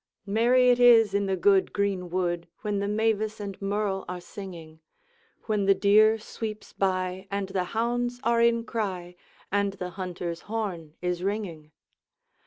Merry it is in the good greenwood, When the mavis and merle are singing, When the deer sweeps by, and the hounds are in cry, And the hunter's horn is ringing.